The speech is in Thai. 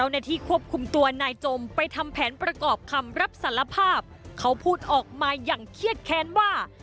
ในที่ควบคุมตัวนายจมไปทำแผนประกอบคำรับสารภาพเขาพูดออกมาอย่างเครียดแค้นว่า